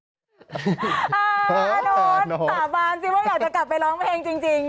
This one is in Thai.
อาโน๊ตสาบานสิว่าอยากจะกลับไปร้องเพลงจริง